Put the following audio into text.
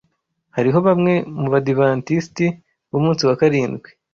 Hariho bamwe mu Badiventisti b’Umunsi wa Karindwi